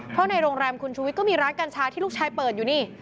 เพราะในโรงแรมคุณชูวิทย์ก็มีร้านกัญชาที่ลูกชายเปิดอยู่นี่